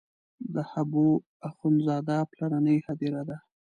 د حبو اخند زاده پلرنۍ هدیره ده.